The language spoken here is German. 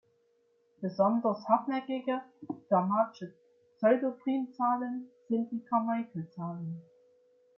Besonders hartnäckige fermatsche Pseudoprimzahlen sind die Carmichael-Zahlen.